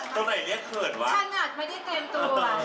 เกินไปแล้วเกินไปแล้ว